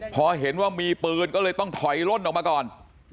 พอเห็นว่ามีปืนก็เลยต้องถอยล่นออกมาก่อน